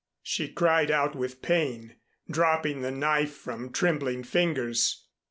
She cried out with pain, dropping the knife from trembling fingers.